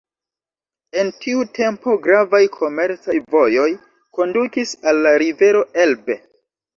En tiu tempo gravaj komercaj vojoj kondukis al la rivero Elbe.